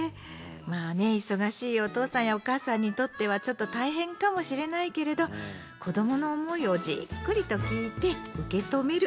まあね忙しいお父さんやお母さんにとってはちょっと大変かもしれないけれど子どもの思いをじっくりと聴いて受け止める。